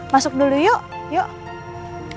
masuk dulu yuk yuk